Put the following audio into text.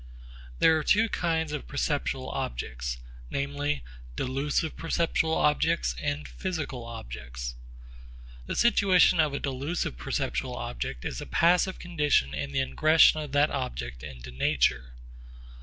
There are two kinds of perceptual objects, namely, 'delusive perceptual objects' and 'physical objects.' The situation of a delusive perceptual object is a passive condition in the ingression of that object into nature.